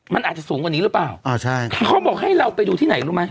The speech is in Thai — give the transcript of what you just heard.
มันอาจจะสูงกว่านี้หรือเปล่าอ่าใช่เขาบอกให้เราไปดูที่ไหนรู้ไหม